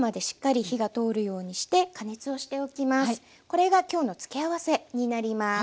これが今日の付け合わせになります。